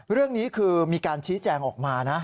เรื่องนี้คือมีการชี้แจงออกมานะ